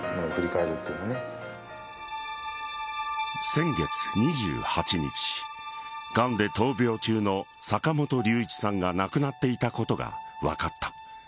先月２８日がんで闘病中の坂本龍一さんが亡くなっていたことが分かった。